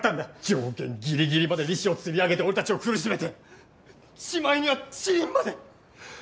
上限ぎりぎりまで利子をつりあげて俺たちを苦しめてしまいには死人まで。